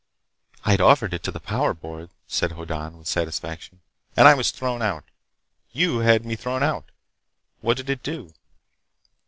"I'd offered it to the Power Board," said Hoddan, with satisfaction, "and I was thrown out. You had me thrown out! What did it do?"